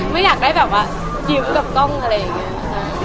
ไม่อยากได้แบบว่ายิ้มแบบกล้องอะไรอย่างนี้ค่ะ